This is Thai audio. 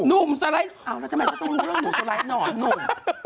หนุ่มสไล่เอาล่ะทำไมต้องรู้เรื่องหนุ่มสไล่หนอนหนุ่ม